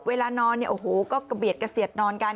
เวลานอนเนี่ยโอ้โหก็กระเบียดกระเสียดนอนกัน